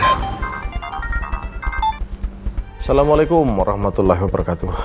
assalamualaikum warahmatullahi wabarakatuh